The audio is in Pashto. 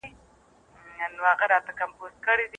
ګټه مې په نوي تجارت کې پانګه کړه.